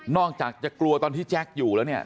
อกจากจะกลัวตอนที่แจ๊คอยู่แล้วเนี่ย